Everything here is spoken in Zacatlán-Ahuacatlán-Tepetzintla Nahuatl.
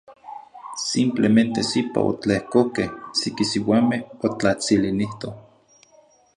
Simplemente sipa otlehcoqueh siqui siuameh otlatzilinitoh.